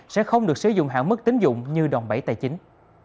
sẽ không được sử dụng hạn mức tính dụng như đòn bẫy tài chính